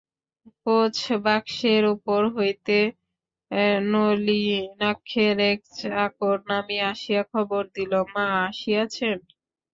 কোচবাক্সের উপর হইতে নলিনাক্ষের এক চাকর নামিয়া আসিয়া খবর দিল, মা আসিয়াছেন।